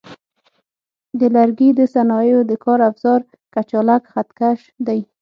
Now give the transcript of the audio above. د لرګي د صنایعو د کار افزار کچالک خط کش دی.